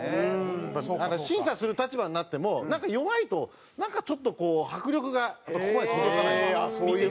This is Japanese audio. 審査する立場になっても弱いとなんかちょっとこう迫力がここまで届かない。